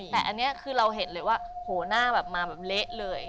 แต่อันเนี่ยเราเห็นเลยว่าหน้ามาเละเลย